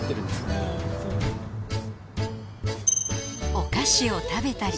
お菓子を食べたり